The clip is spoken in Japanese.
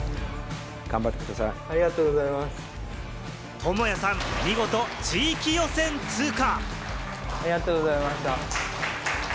朋哉さん、見事、地域予選通過！